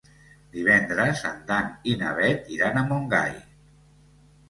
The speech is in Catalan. Divendres en Dan i na Bet iran a Montgai.